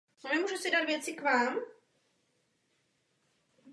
Nicméně podle některých archeologických nálezů byla zdejší oblast osídlena již v neolitu.